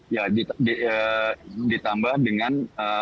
ya ditambah dengan